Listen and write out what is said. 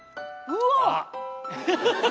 うわ！